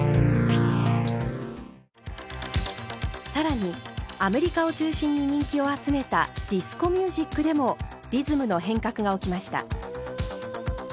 更にアメリカを中心に人気を集めたディスコ・ミュージックでもリズムの変革が起きました。